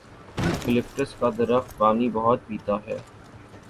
Eucalyptus کا درخت پانی بہت پیتا ہے۔